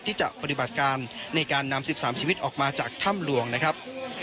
ที่จะปฏิบัติการในการนำ๑๓ชีวิตออกมาจากถ้ำหลวงนะครับ